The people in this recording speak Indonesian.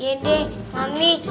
iya deh mami